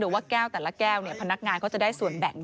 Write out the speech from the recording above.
หรือว่าแก้วแต่ละแก้วพนักงานเขาจะได้ส่วนแบ่งด้วย